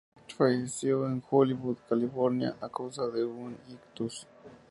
Falleció en Hollywood, California, a causa de un ictus.